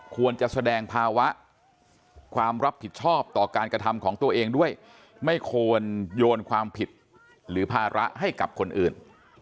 ควรจะแสดงภาวะความรับผิดชอบต่อการกระทำของตัวเองด้วยไม่ควรโยนความผิดหรือภาระให้กับคนอื่น